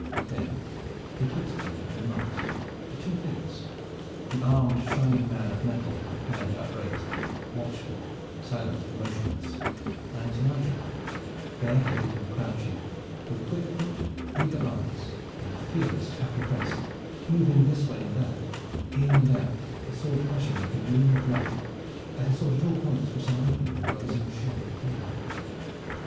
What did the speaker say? Then betwixt them and the mast the two figures: the armed shining man of metal, with hand upraised, watchful, silent, motionless, and Nigel, bareheaded and crouching, with quick foot, eager eyes and fearless happy face, moving this way and that, in and out, his sword flashing like a gleam of light as he sought at all points for some opening in the brazen shell before him.